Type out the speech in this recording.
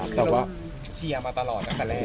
คือตุ้มเชียร์มาตลอดตั้งแต่แรก